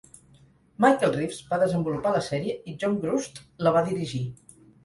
Michael Reaves va desenvolupar la sèrie i John Grusd la va dirigir.